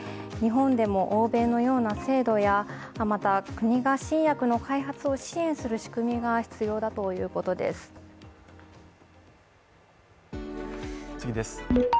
日本でも欧米のような制度や、また国が新薬の開発を支援する仕組みが必要だということです。